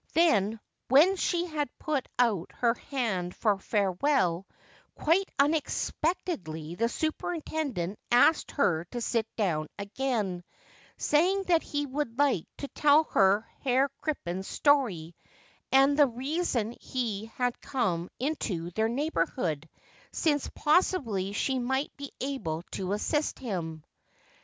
Then, when she had put out her hand for farewell, quite unexpectedly the superintendent asked her to sit down again, saying that he would like to tell her Herr Crippen's story and the reason he had come into their neighborhood, since possibly she might be able to assist him.